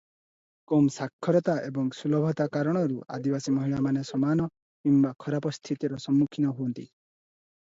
କମ୍ ସାକ୍ଷରତା ଏବଂ ସୁଲଭତା କାରଣରୁ ଆଦିବାସୀ ମହିଳାମାନେ ସମାନ କିମ୍ବା ଖରାପ ସ୍ଥିତିର ସମ୍ମୁଖୀନ ହୁଅନ୍ତି ।